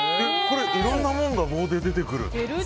いろいろなものが棒で出てくる？